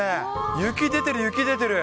雪出てる、雪出てる。